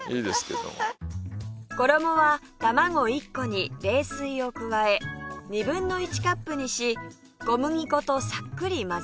衣は卵１個に冷水を加え２分の１カップにし小麦粉とさっくり混ぜ合わせます